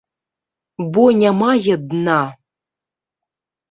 Бо не мае дна.